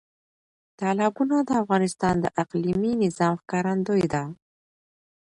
تالابونه د افغانستان د اقلیمي نظام ښکارندوی ده.